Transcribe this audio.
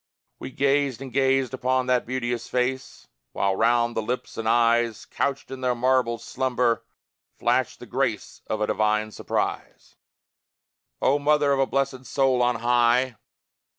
We gazed and gazed upon that beauteous face; While round the lips and eyes, Couched in their marble slumber, flashed the grace Of a divine surprise. O mother of a blessed soul on high!